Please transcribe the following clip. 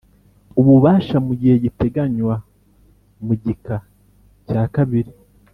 Ububasha mu gihe giteganywa mu gika cya kabiri